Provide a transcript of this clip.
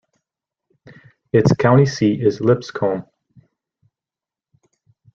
Its county seat is Lipscomb.